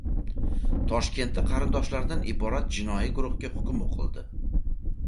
Toshkentda qarindoshlardan iborat jinoiy guruhga hukm o‘qildi